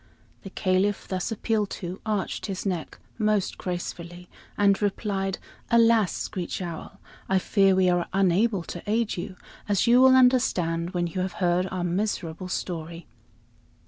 The Caliph, thus appealed to, arched his neck most gracefully and replied: "Alas! Screech Owl, I fear we are unable to aid you, as you will understand when you have heard our miserable story."